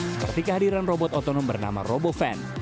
seperti kehadiran robot otonom bernama roboven